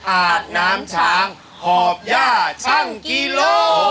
อาบน้ำช้างหอบย่าช่างกิโล